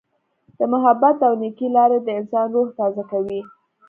د محبت او نیکۍ لارې د انسان روح تازه کوي.